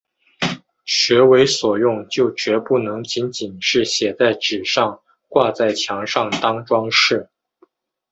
学为所用就决不能仅仅是写在纸上、挂在墙上当‘装饰’